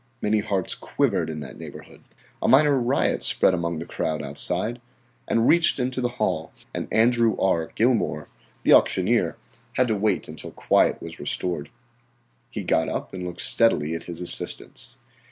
Many hearts quivered in that neighborhood. A minor riot spread among the crowd outside and reached into the hall, and Andrew R. Gilmour, the auctioneer, had to wait until quiet was restored. He got up and looked steadily at his assistants.